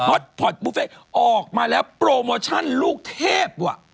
ฮอตพอท์บุฟเฟ่ออกมาแล้วโปรโมชั่นลูกเทพ